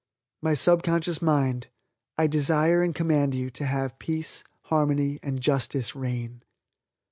"My Subconscious Mind, I desire and command you to have peace, harmony and justice reign.